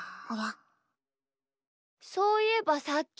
そういえばさっき。